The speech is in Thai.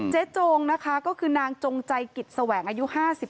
จงนะคะก็คือนางจงใจกิจแสวงอายุ๕๓